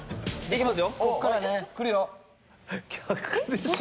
行きますよ。